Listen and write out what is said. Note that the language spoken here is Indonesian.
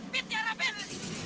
fit tiara bel